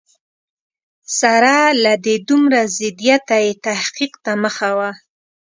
سره له دې دومره ضدیته یې تحقیق ته مخه وه.